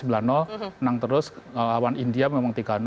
menang terus lawan india memang tiga dua